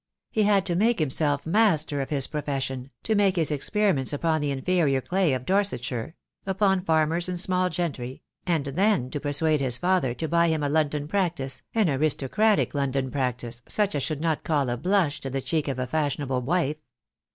He had to make himself master of his profession, to make his experiments upon the inferior clay of Dorsetshire — upon farmers and small gentry — and then to persuade his father to buy him a London practice, an aristocratic London practice, such as should not call a blush to the cheek of a fashionable wife.